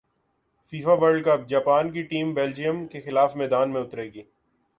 FIFA world cup Japan کی team Belgium کیخلاف میدان میں اترے گی